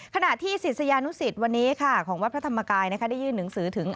ขณะที่ศิษยานุสิตวันนี้ค่ะของวัดพระธรรมกายได้ยื่นหนังสือถึง